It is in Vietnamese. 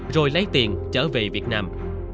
rồi lấy tiền trở về việt nam